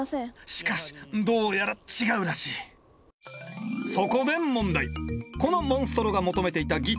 しかしどうやら違うらしいなるほど。